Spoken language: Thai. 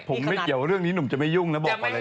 ผมไม่เกี่ยวเรื่องนี้หนุ่มจะไม่ยุ่งนะบอกก่อนเลย